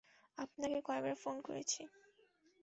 আপনাকে কয়েকবার ফোন করেছি।